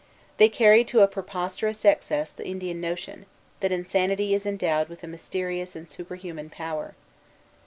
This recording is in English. They carried to a preposterous excess the Indian notion, that insanity is endowed with a mysterious and superhuman power.